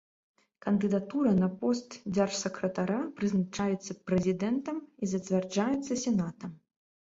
Кандыдатура на пост дзяржсакратара прызначаецца прэзідэнтам і зацвярджаецца сенатам.